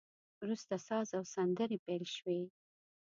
وروسته ساز او سندري پیل شوې.